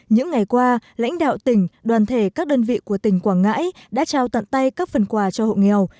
những ngày qua lãnh đạo tỉnh đoàn thể các đơn vị của tỉnh quảng ngãi đã trao tận tay các phần quà cho hộ nghèo